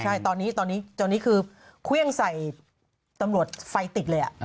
ใช่ตอนนี้คือเครื่องใส่ตำรวจไฟติดเลย